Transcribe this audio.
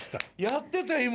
やってた今！